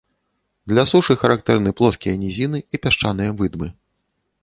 Для сушы характэрны плоскія нізіны і пясчаныя выдмы.